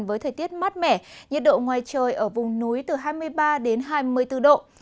với thời tiết mát mẻ nhiệt độ ngoài trời ở vùng núi từ hai mươi ba đến hai mươi bốn độ